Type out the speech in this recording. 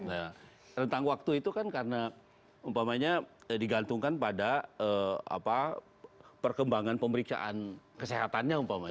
nah tentang waktu itu kan karena digantungkan pada perkembangan pemeriksaan kesehatannya